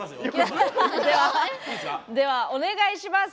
では、お願いします！